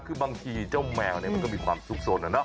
คือบางทีเจ้าแมวเนี่ยมันก็มีความสุขสนนะเนาะ